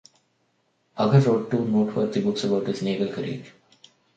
Agar wrote two noteworthy books about his naval career.